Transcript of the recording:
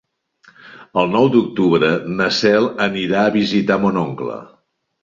El nou d'octubre na Cel anirà a visitar mon oncle.